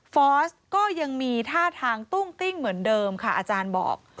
ฟอสก็ยังมีท่าทางตุ้งติ้งเหมือนเดิมค่ะอาจารย์บอก